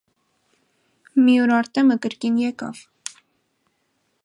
Մի օր Արտեմը կրկին եկավ: